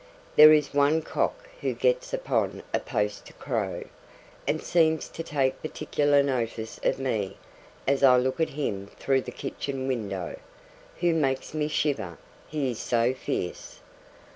There is one cock who gets upon a post to crow, and seems to take particular notice of me as I look at him through the kitchen window, who makes me shiver, he is so fierce.